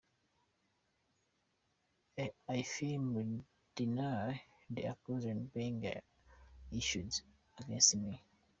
I firmly deny the accusations being issued against me.